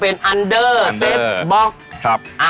พี่ซี่ตบ